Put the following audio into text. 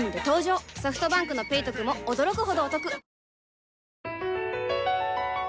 ソフトバンクの「ペイトク」も驚くほどおトク